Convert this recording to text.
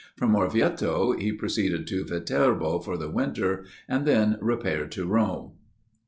From Orvieto, he proceeded to Viterbo for the winter, and then repaired to Rome.